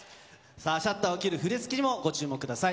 シャッターを切る振り付けにもご注目ください。